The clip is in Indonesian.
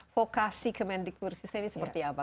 fokasi kemendikbud sistem ini seperti apa